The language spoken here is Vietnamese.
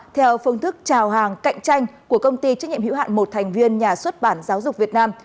theo phương thức trào hàng cạnh tranh của công ty trách nhiệm hữu hạn một thành viên nhà xuất bản giáo dục việt nam